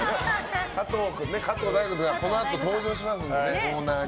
加藤君ね、加藤大悟君がこのあと登場しますので。